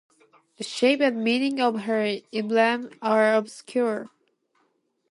The shape and meaning of her emblem are obscure.